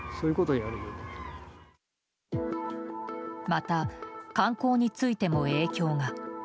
また、観光についても影響が。